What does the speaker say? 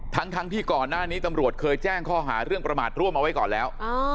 ทั้งที่ก่อนหน้านี้ตำรวจเคยแจ้งข้อหาเรื่องประมาทร่วมเอาไว้ก่อนแล้ว